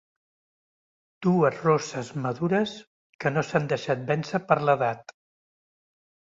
Dues rosses madures que no s'han deixat vèncer per l'edat.